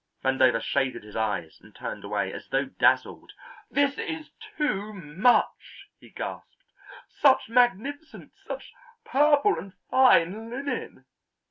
Vandover shaded his eyes and turned away as though dazzled. "This is too much," he gasped. "Such magnificence, such purple and fine linen."